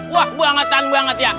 wah bangetan banget ya